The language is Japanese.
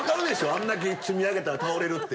あんだけ積み上げたら倒れるって。